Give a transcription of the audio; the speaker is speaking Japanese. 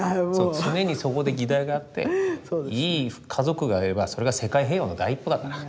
常にそこで議題があっていい家族があればそれが世界平和の第一歩だから。